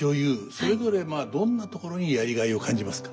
それぞれどんなところにやりがいを感じますか？